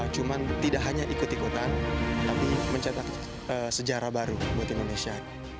cuma tidak hanya ikut ikutan tapi mencetak sejarah baru buat indonesia